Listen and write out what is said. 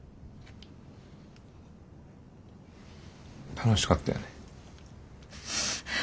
楽しかったよあれ。